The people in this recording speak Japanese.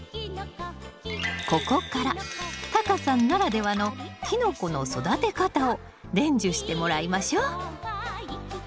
ここからタカさんならではのキノコの育て方を伝授してもらいましょう。